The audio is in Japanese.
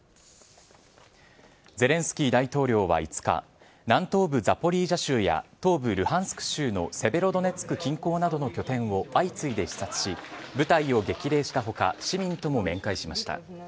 ゼレンスキー大統領は５日、南東部ザポリージャ州や東部ルハンスク州のセベロドネツク近郊などの拠点を相次いで視察し、部隊を激励したほか、市民とも面会しました。